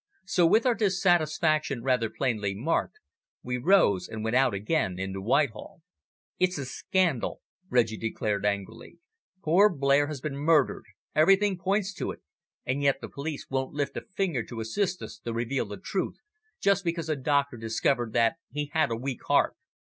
So with our dissatisfaction rather plainly marked, we rose and went out again into Whitehall. "It's a scandal!" Reggie declared angrily. "Poor Blair has been murdered everything points to it and yet the police won't lift a finger to assist us to reveal the truth, just because a doctor discovered that he had a weak heart.